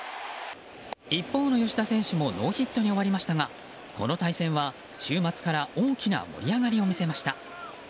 一方の吉田選手もノーヒットに終わりましたがこの対戦は週末から大きな盛り上がりを見せました。